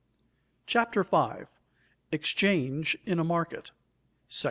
CHAPTER 5 EXCHANGE IN A MARKET § I.